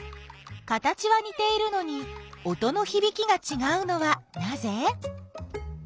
形はにているのに音のひびきがちがうのはなぜ？